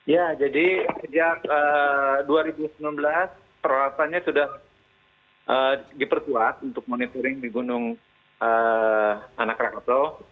ya jadi sejak dua ribu sembilan belas perawasannya sudah diperkuat untuk monitoring di gunung anak rakatau